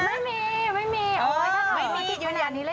ไม่มีไม่มีอ๋อถ้าทำงานเก่งขนาดนี้แล้ว